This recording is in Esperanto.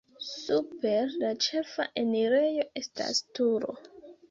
Super la ĉefa enirejo estas turo.